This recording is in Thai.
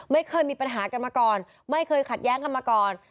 ไม่เคยมีปัญหากันมาก่อนไม่เคยขัดแย้งกันมาก่อน